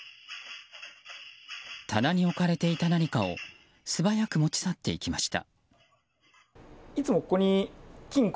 棚に置かれていた何かを素早く持ち去っていきました。